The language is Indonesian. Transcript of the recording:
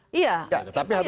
jadi tidak ada privilege